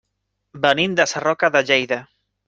Venim de Sarroca de Lleida.